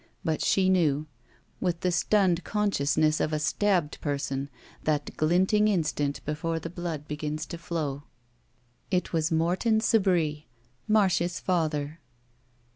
But she knew. With the sttumed consciousness of a stabbed person that glinting instant before the blood begins to flow. It was Morton Sebree — Marcia's father.